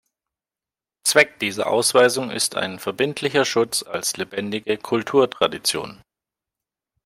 Zweck dieser Ausweisung ist ein verbindlicher Schutz als lebendige Kulturtradition.